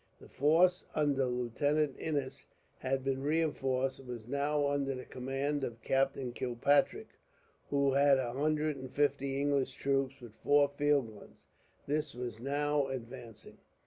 The force under Lieutenant Innis had been reinforced, and was now under the command of Captain Kilpatrick, who had a hundred and fifty English troops, with four field guns. This was now advancing.